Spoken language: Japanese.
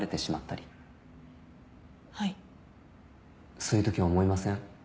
そういうとき思いません？